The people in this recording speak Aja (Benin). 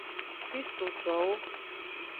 Kristitowo.